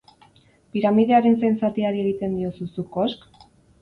Piramidearen zain zatiari egiten diozu zuk kosk?